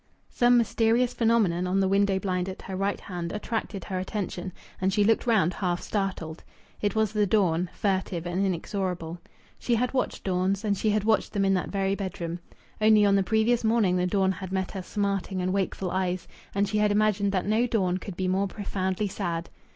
Some mysterious phenomenon on the window blind at her right hand attracted her attention, and she looked round, half startled. It was the dawn, furtive and inexorable. She had watched dawns, and she had watched them in that very bedroom. Only on the previous morning the dawn had met her smarting and wakeful eyes, and she had imagined that no dawn could be more profoundly sad!...